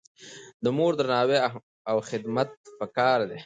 د مور درناوی او خدمت پکار دی.